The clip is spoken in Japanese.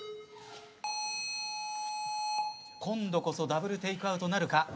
今度こそダブルテイクアウトなるか？